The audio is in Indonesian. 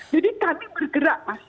jadi kami bergerak mas